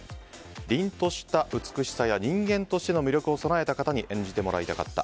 凛とした美しさや人間とした魅力を備えた方に演じてもらいたかった。